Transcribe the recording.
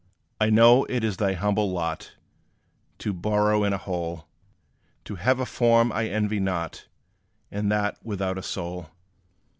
I know it is thy humble lot To burrow in a hole To have a form I envy not, And that without a soul.